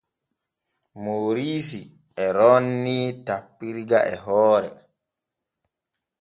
Mooriisi e roonii tappirga e hoore.